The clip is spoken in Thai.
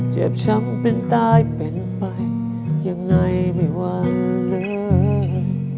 เจ็บช้ำเป็นตายเป็นไปยังไงไม่ว่าเลย